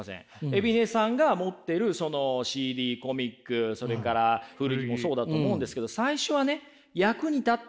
海老根さんが持ってるそのＣＤコミックそれから古着もそうだと思うんですけど最初はね